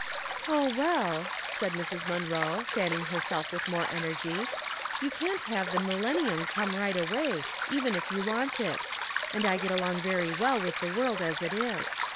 " Oh, well," said Mrs. Munroe, fanning herself with more energy, *'you can't have the millen« nium come right away, even if you want it; and I get along very well with the world as it is.